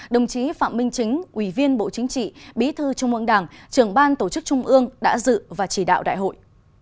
đồng chí phạm minh chính ủy viên bộ chính trị bí thư trung ương đảng trưởng ban tổ chức trung ương đã dự và chỉ đạo đại hội